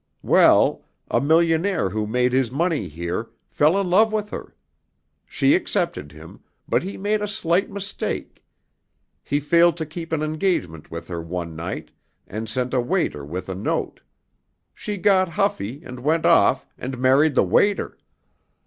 Well, a millionaire who made his money here, fell in love with her. She accepted him, but he made a slight mistake. He failed to keep an engagement with her one night and sent a waiter with a note. She got huffy and went off and married the waiter.